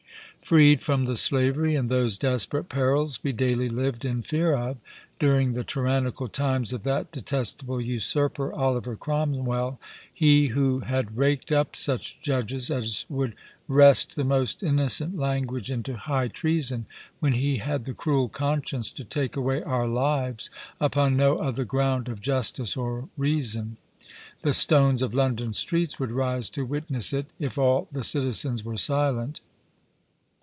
Freed from the slavery, and those desperate perils, we dayly lived in fear of, during the tyrannical times of that detestable usurper, Oliver Cromwell; he who had raked up such judges, as would wrest the most innocent language into high treason, when he had the cruel conscience to take away our lives, upon no other ground of justice or reason, (the stones of London streets would rise to witness it, if all the citizens were silent.)